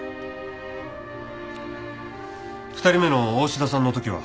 ２人目の大志田さんの時は？